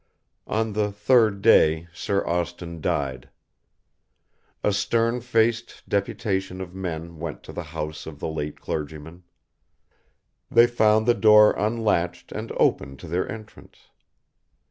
On the third day Sir Austin died. A stern faced deputation of men went to the house of the late clergymen. They found the door unlatched and open to their entrance.